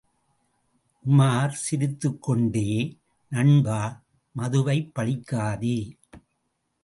உமார் சிரித்துக்கொண்டே, நண்பா, மதுவைப் பழிக்காதே!